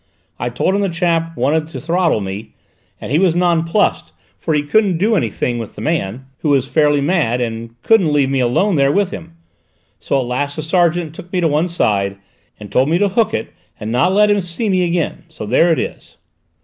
I told him the chap wanted to throttle me, and he was nonplussed, for he couldn't do anything with the man, who was fairly mad, and couldn't leave me alone there with him. So at last the sergeant took me to one side and told me to hook it and not let him see me again. So there it is."